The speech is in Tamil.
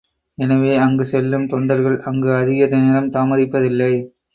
எனவே அங்கு செல்லும் தொண்டர்கள் அங்கு அதிக நேரம் தாமதிப்பதில்லை.